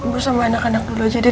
bu sama anak anak dulu aja deh